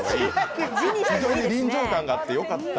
非常に臨場感があってよかった。